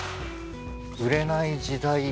売れない時代